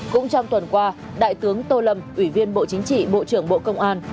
cũng trong tuần qua đại tướng tô lâm ủy viên bộ chính trị bộ trưởng bộ công an